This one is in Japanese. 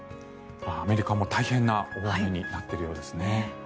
アメリカも大変な大雨になっているようですね。